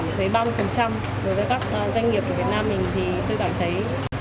thái của giảm thuế ba mươi đối với các doanh nghiệp việt nam mình thì tôi cảm thấy